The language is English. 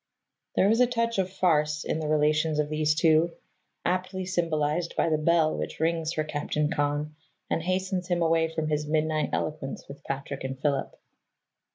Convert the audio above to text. There is a touch of farce in the relations of these two, aptly symbolized by the bell which rings for Captain Con, and hastens him away from his midnight eloquence with Patrick and Philip.